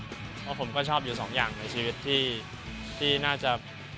เพราะผมก็ชอบอยู่สองอย่างในชีวิตที่น่าจะ